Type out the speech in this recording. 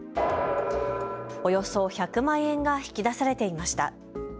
およそ１００万円が引き出されていました。